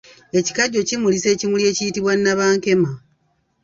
Ekikajjo kimulisa ekimuli ekiyitibwa nabankema.